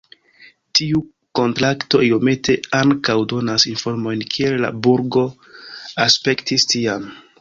Tiu kontrakto iomete ankaŭ donas informojn kiel la burgo aspektis tiam.